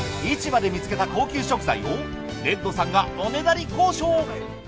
市場で見つけた高級食材をレッドさんがおねだり交渉。